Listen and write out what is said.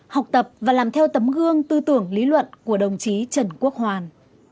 học tập và làm theo tấm gương tư tưởng lý luận của đồng chí trần quốc hoàn